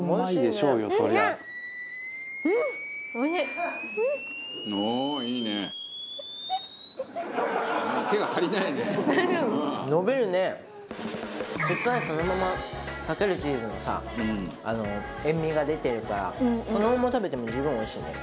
しっかりそのままさけるチーズのさ塩味が出てるからそのまま食べても十分おいしいね。